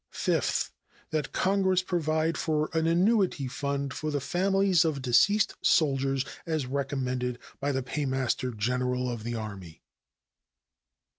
Fifth. That Congress provide for an annuity fund for the families of deceased soldiers, as recommended by the paymaster General of the Army.